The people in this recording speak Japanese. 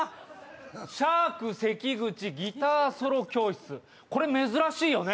シャーク関口ギターソロ教室、これ、珍しいよね。